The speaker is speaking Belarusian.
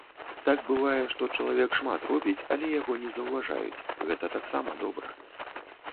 Так бывае, што чалавек шмат робіць, але яго не заўважаюць, гэта таксама добра.